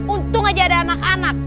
untung aja ada anak anak